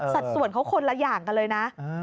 สัดส่วนเขาคนละอย่างกันเลยนะ